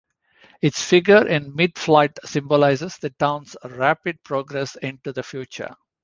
Its figure in mid-flight symbolizes the town's rapid progress into the future.